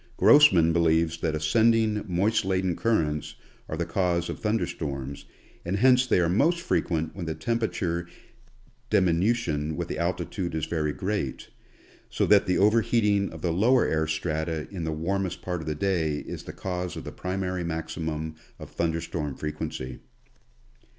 Grossman believes that ascending moist laden currents are the cause of thunder storms, and hence they are most frequent when the temperature diminution with altitude is very great, so that the over heating of the lower air strata in the warmest part of the day is the cause of the primary maximum of thunder storm frequency.